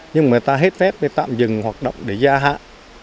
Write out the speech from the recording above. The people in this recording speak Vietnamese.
nhưng mà người ta hết phép nên tạm dừng hoạt động để gia hạn